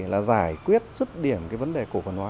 là giải quyết xuất điểm cái vấn đề cổ văn hóa